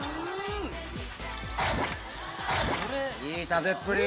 いい食べっぷり！